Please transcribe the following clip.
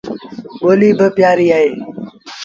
ٻوليٚ با پيٚآريٚ اهي